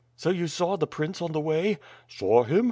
"So you saw the prince on the way?" "Saw him?